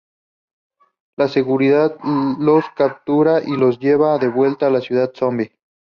La seguridad los captura y los lleva de vuelta a Ciudad Zombie.